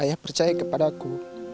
ayah percaya kepadaku